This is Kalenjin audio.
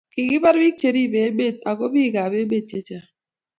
Kigibar biik cheribe emet ago biikab emet chechang